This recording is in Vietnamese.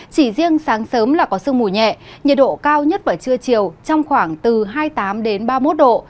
chỉ riêng sáng sớm là có sương mùi nhẹ nhiệt độ cao nhất vào trưa chiều trong khoảng từ hai mươi tám ba mươi một độ